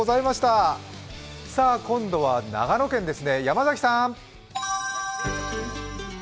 今度は長野県ですね山崎さん。